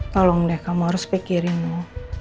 tolong deh kamu harus pikirin noh